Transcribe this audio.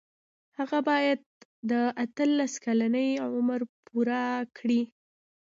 هغه باید د اتلس کلنۍ عمر پوره کړي.